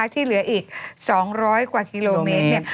ที่เหลืออีก๒๐๐กว่ากิโลเมตร